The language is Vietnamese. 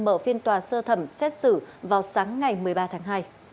mở phiên tòa sơ thẩm xét xử vào sáng ngày một mươi ba tháng hai